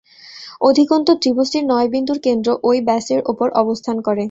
অধিকন্তু ত্রিভুজটির নয়-বিন্দুর কেন্দ্র ঐ ব্যাসের উপর অবস্থান করে।